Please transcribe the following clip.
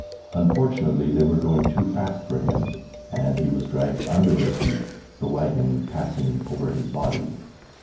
Unfortunately they were going too fast for him, and he was dragged under their feet, the wagon passing over his body.